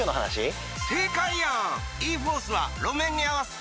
正解やん！